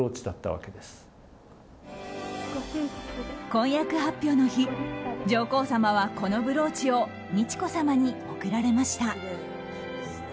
婚約発表の日上皇さまは、このブローチを美智子さまに贈られました。